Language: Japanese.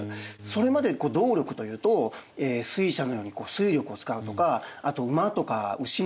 それまで動力というと水車のように水力を使うとかあと馬とか牛のようなですね